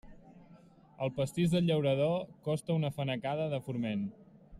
El pastís del llaurador costa una fanecada de forment.